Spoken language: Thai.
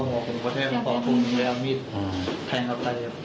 คุณประเทพตอบคุณให้เอามีดแทงกับใคร